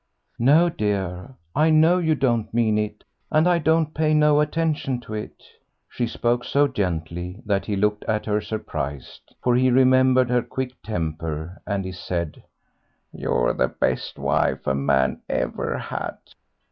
"No, dear, I know you don't mean it, and I don't pay no attention to it." She spoke so gently that he looked at her surprised, for he remembered her quick temper, and he said, "You're the best wife a man ever had."